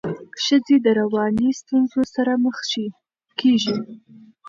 ښځي د رواني ستونزو سره مخ کيږي.